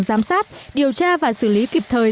giám sát điều tra và xử lý kịp thời